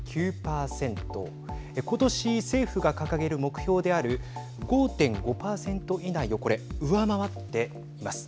ことし政府が掲げる目標である５．５％以内をこれ上回っています。